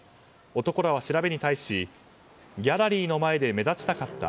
男らは調べに対しギャラリーの前で目立ちたかった。